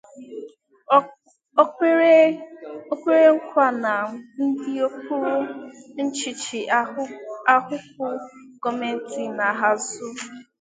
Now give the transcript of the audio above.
O kwere nkwà na ndị okpuru ọchịchị ahụ kwụ gọọmenti na-azụ